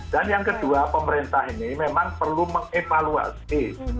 dan yang kedua pemerintah ini memang perlu mengevaluasi